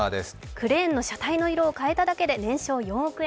クレーンの車体の色を変えただけで年商４億円。